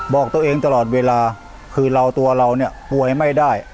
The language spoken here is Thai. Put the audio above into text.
บอกตัวเองตลอดเวลาคือเราตัวเราเนี่ยป่วยไม่ได้